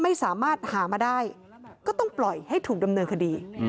ไม่สามารถหามาได้ก็ต้องปล่อยให้ถูกดำเนินคดี